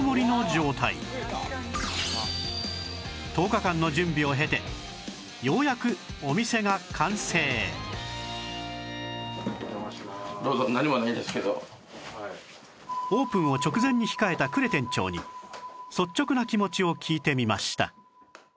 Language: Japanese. １０日間の準備を経てようやくお店が完成オープンを直前に控えた呉店長に率直な気持ちを聞いてみました